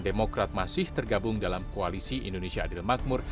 demokrat masih tergabung dalam koalisi indonesia adil makmur